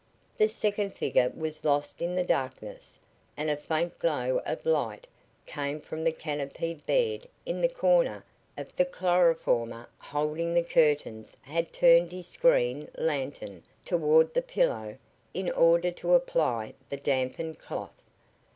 The second figure was lost in the darkness and a faint glow of light came from the canopied bed in the corner The chloroformer holding the curtains had turned his screen lantern, toward the pillow in order to apply the dampened cloth.